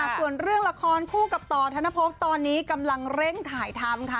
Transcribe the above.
ส่วนเรื่องละครคู่กับต่อธนภพตอนนี้กำลังเร่งถ่ายทำค่ะ